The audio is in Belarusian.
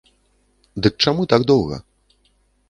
Дык чаму так доўга?